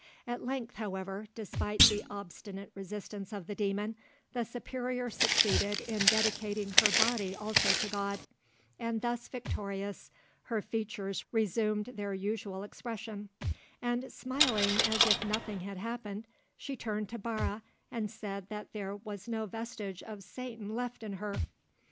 At length, however, despite the obstinate resistance of the demon, the superior succeeded in dedicating her body also to God, and thus victorious her features resumed their usual expression, and smiling as if nothing had happened, she turned to Barre and said that there was no vestige of Satan left in her.